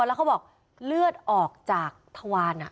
แล้วเขาบอกเลือดออกจากทวาร